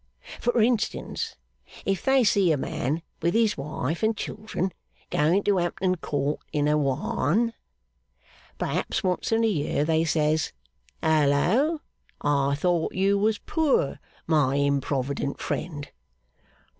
For instance, if they see a man with his wife and children going to Hampton Court in a Wan, perhaps once in a year, they says, 'Hallo! I thought you was poor, my improvident friend!